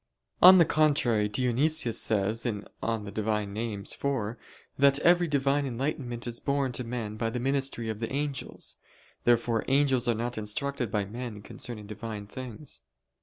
On the contrary, Dionysius says (Div. Nom. iv) that every Divine enlightenment is borne to men by the ministry of the angels. Therefore angels are not instructed by men concerning Divine things.